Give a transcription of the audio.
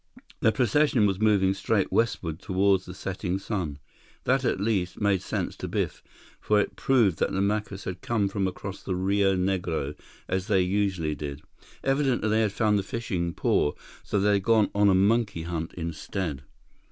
The procession was moving straight westward toward the setting sun. That, at least, made sense to Biff, for it proved that the Macus had come from across the Rio Negro, as they usually did. Evidently they had found the fishing poor, so had gone on a monkey hunt instead.